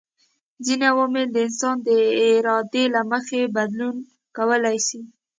ځيني عوامل د انسان د ارادې له مخي بدلون کولای سي